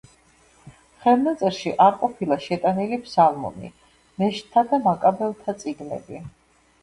ხელნაწერში არ ყოფილა შეტანილი ფსალმუნი, ნეშტთა და მაკაბელთა წიგნები.